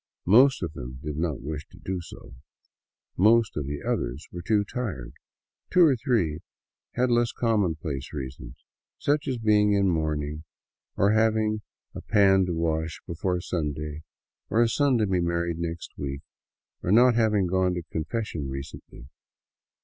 Most of them did not wish to ; most of the others were too tired ; two or three had less commonplace reasons, such as being in mourning, or having a pan to wash before Sunday, or a son to be married next week, or not having gone to confession recently.